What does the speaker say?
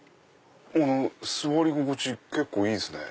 座り心地結構いいですね。